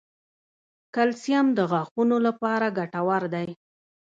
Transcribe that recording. کلسیم د غاښونو لپاره ګټور دی